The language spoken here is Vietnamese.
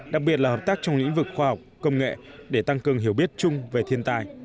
đặc biệt là hợp tác trong lĩnh vực khoa học công nghệ để tăng cường hiểu biết chung về thiên tai